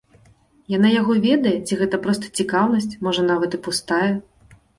Яна яго ведае, ці гэта проста цікаўнасць, можа нават і пустая?